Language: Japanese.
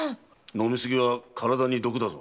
飲み過ぎは体に毒だぞ。